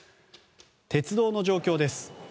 鉄道の状況です。